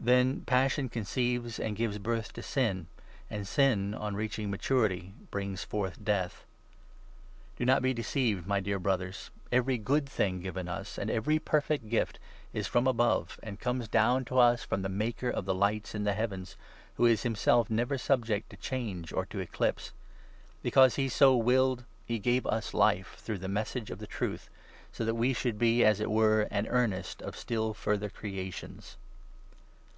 Then Passion conceives and gives 15 birth to Sin, and Sin, on reaching maturity, brings forth Death. Do not be deceived, my dear Brothers. Every 16, good thing given us, and every perfect gift, is from above, and comes down to us from the Maker of the Lights in the heavens, who is himself never subject to change or to eclipse. Because 18 he so willed, he gave us Life, through the Message of the Truth, so that we should be, as it were, an earnest of still further creations.